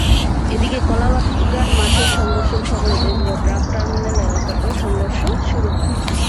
এদিকে কলাবাগান মাঠে সংঘর্ষের খবরে তেজগাঁও ট্রাক টার্মিনাল এলাকাতেও সংঘর্ষ শুরু হয়।